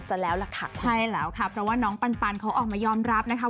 ซะแล้วล่ะค่ะใช่แล้วค่ะเพราะว่าน้องปันปันเขาออกมายอมรับนะคะ